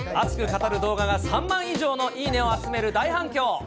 熱く語る動画が３万以上のいいねを集める大反響。